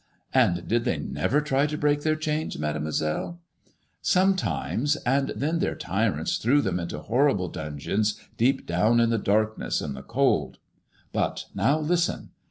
"And did they never try to break their chains. Mademoi selle ?••'* Sometimes, and then their tyrants threw them into horrible dungeons, deep down in the darkness and the cold. But now, listen.